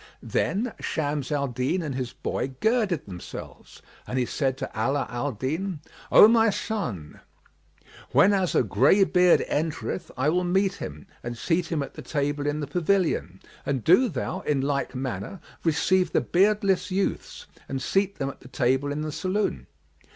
Then Shams al Din and his boy girded themselves, and he said to Ala al Din "O my son, whenas a greybeard entereth, I will meet him and seat him at the table in the pavilion; and do thou, in like manner, receive the beardless youths and seat them at the table in the saloon."